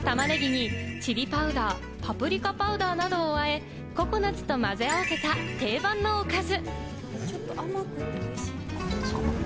玉ねぎにチリパウダー、パプリカパウダーなどをあえ、ココナツと混ぜ合わせた定番のおかず。